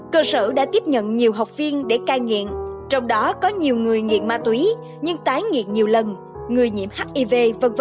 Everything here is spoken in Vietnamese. cơ sở đã tiếp nhận nhiều học viên để cai nghiện trong đó có nhiều người nghiện ma túy nhưng tái nghiện nhiều lần người nhiễm hiv v v